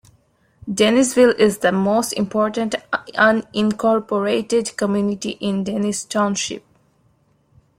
Dennisville is the most important unincorporated community in Dennis Township.